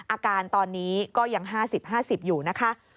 อาการตอนนี้ก็ยัง๕๐๕๐อยู่นะคะ